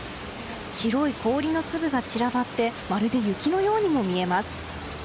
白い氷の粒が散らばってまるで雪のようにも見えます。